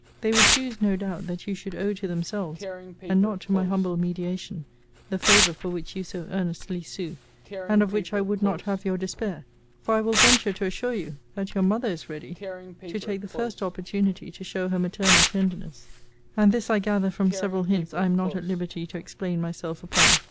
They would choose, no doubt, that you should owe to themselves, and not to my humble mediation, the favour for which you so earnestly sue, and of which I would not have your despair: for I will venture to assure you, that your mother is ready to take the first opportunity to show her maternal tenderness: and this I gather from several hints I am not at liberty to explain myself upon.